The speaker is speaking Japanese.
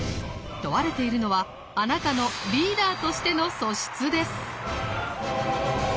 問われているのはあなたのリーダーとしての素質です。